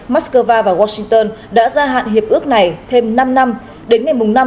moscow và washington đã gia hạn hiệp ước này thêm năm năm đến ngày năm tháng hai năm hai nghìn hai mươi sáu